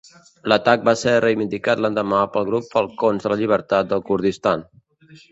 L'atac va ser reivindicat l'endemà pel grup Falcons de la Llibertat del Kurdistan.